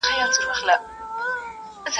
د هندو د کوره قرآن راووتی.